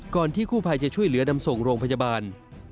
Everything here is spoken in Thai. ที่กู้ภัยจะช่วยเหลือนำส่งโรงพยาบาล